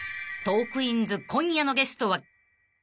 ［『トークィーンズ』今夜のゲストは］